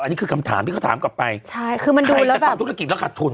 อันนี้คือคำถามที่เขาถามกลับไปใช่คือมันใครจะทำธุรกิจแล้วขาดทุน